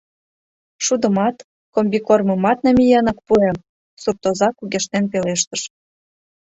— Шудымат, комбикормымат намиенак пуэм! — суртоза кугешнен пелештыш.